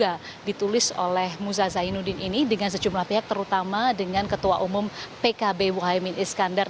dan kemudian ada juga ditulis oleh muza zainuddin ini dengan sejumlah pihak terutama dengan ketua umum pkb muhammad iskandar